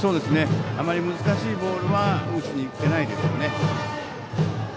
あまり難しいボールは打ちに行ってないですね。